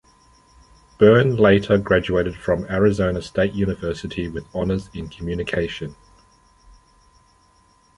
Byrne later graduated from Arizona State University with Honors in Communication.